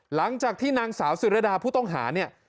หลังจากที่นางสาวศิรดาผู้ต้องหาเนี่ย